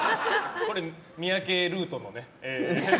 これ、三宅ルートね。